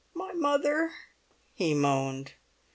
"My mother!" he moaned.